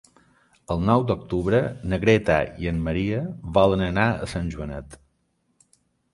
El nou d'octubre na Greta i en Maria volen anar a Sant Joanet.